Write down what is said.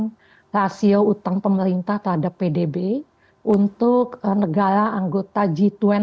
rasio utang pemerintah terhadap pdb untuk negara anggota g dua puluh